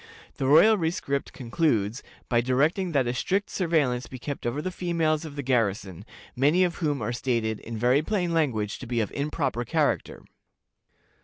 The royal rescript concludes by directing that a strict surveillance be kept over the females of the garrison, many of whom are stated, in very plain language, to be of improper character.